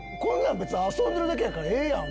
別に遊んでるだけやからええやん！